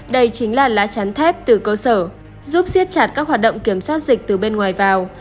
đây chính là lá chắn thép từ cơ sở giúp siết chặt các hoạt động kiểm soát dịch từ bên ngoài vào